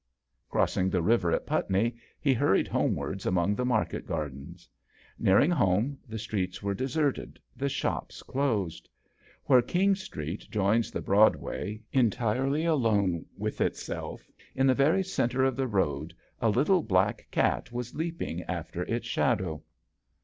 Crossing the river at Putney,. he hurried homewards among the market gardens. Nearing home, the streets were deserted, the shops closed. Where King Street joins the Broadway, en tirely alone with itself, in the very centre of the road a little black cat was leaping after its shadow.